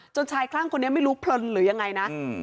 ชายคลั่งคนนี้ไม่รู้เพลินหรือยังไงนะ